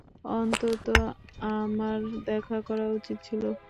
অন্তত আমার দেখা করা উচিত ছিল।